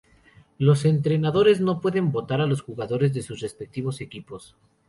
Los entrenadores no pueden votar a jugadores de sus respectivos equipos.